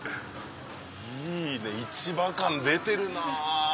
いいね市場感出てるなぁ！